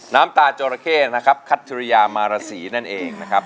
น้ำตาจอราเข้นะครับคัทธิริยามารสีนั่นเองนะครับ